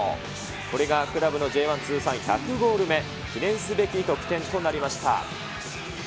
これがクラブのＪ１通算１００ゴール目、記念すべき得点となりました。